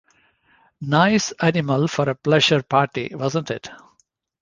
Nice animal for a pleasure party, wasn't it?